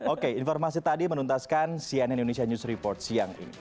oke informasi tadi menuntaskan cnn indonesia news report siang ini